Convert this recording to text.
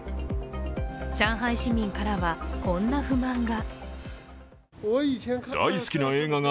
上海市民からは、こんな不満が。